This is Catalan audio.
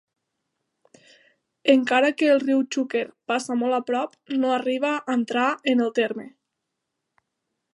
Encara que el riu Xúquer passa molt prop, no arriba a entrar en el terme.